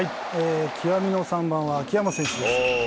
極みの３番は秋山選手です。